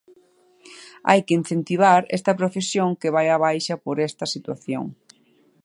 Hai que incentivar esta profesión que vai á baixa por esta situación.